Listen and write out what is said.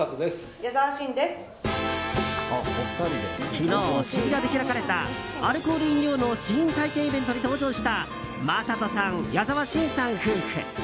昨日、渋谷で開かれたアルコール飲料の試飲体験イベントに登場した魔裂斗さん、矢沢心さん夫婦。